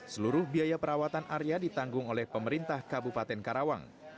seluruh biaya perawatan arya ditanggung oleh pemerintah kabupaten karawang